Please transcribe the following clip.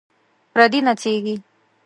پردې نڅیږي